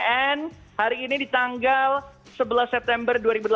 cnn hari ini di tanggal sebelas september dua ribu delapan belas